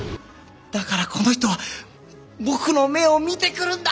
だからこの人は僕の目を見てくるんだ！